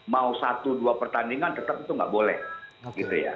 mau satu dua pertandingan tetap itu nggak boleh gitu ya